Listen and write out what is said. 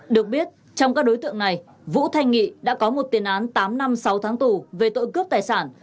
được biết trong các đối tượng này vũ thanh nghị đã có một tiền án tám năm sáu tháng tù về tội cướp tài sản